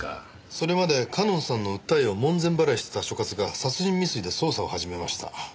それまで夏音さんの訴えを門前払いしてた所轄が殺人未遂で捜査を始めました。